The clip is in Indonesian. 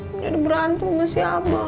menjadi berantem sama si abang